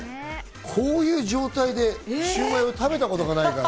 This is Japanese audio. こういう状態でシウマイを食べたことがないから。